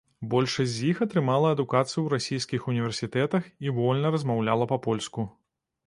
Большасць з іх атрымала адукацыю ў расійскіх універсітэтах і вольна размаўляла па-польску.